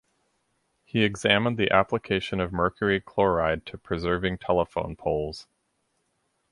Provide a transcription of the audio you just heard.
He examined the application of mercury chloride to preserving telephone poles.